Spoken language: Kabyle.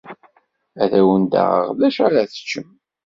Ad awen-d-aɣeɣ d acu ara teččem.